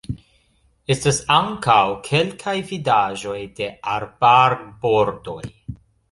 Estas ankaŭ kelkaj vidaĵoj de arbarbordoj.